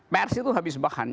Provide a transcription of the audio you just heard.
pers itu habis bahan